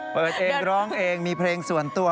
เปิดเองร้องเองมีเพลงส่วนตัว